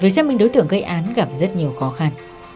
việc xác minh đối tượng gây án gặp rất nhiều khó khăn